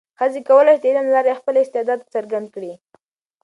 ښځې کولای شي د علم له لارې خپل استعداد څرګند کړي.